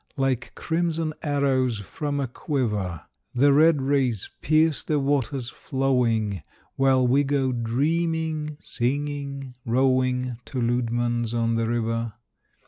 Like crimson arrows from a quiver The red rays pierce the waters flowing While we go dreaming, singing, rowing To Leudemann's on the River.